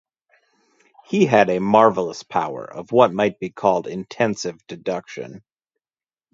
He had a marvellous power of what might be called intensive deduction'.